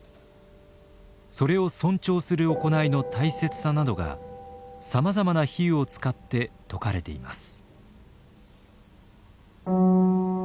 それを尊重する行いの大切さなどがさまざまな比喩を使って説かれています。